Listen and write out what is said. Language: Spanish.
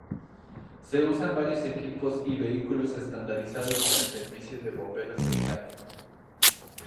Se usan varios equipos y vehículos estandarizados en el Servicio de Bomberos Británico.